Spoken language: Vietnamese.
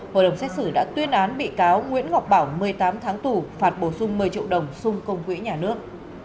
hội đồng xét xử đã tuyên án bị cáo nguyễn ngọc bảo một mươi tám tháng tù phạt bổ sung một mươi triệu đồng xung công quỹ nhà nước